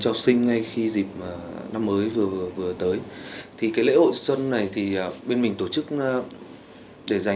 rồi là sắp xuống